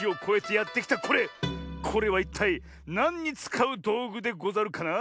これはいったいなんにつかうどうぐでござるかな？